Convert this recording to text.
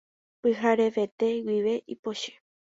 Pyharevete guive ipochy.